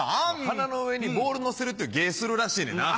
鼻の上にボール乗せるっていう芸するらしいねんな。